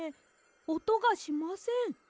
おとがしません。